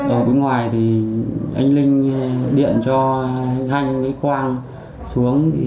ở bên ngoài thì anh linh điện cho anh hanh anh quang xuống